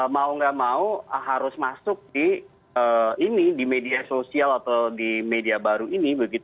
mau nggak mau harus masuk di media sosial atau di media baru ini